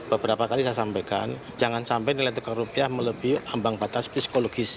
beberapa kali saya sampaikan jangan sampai nilai tukar rupiah melebih ambang batas psikologis